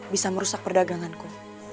bisa merusak perdaganganku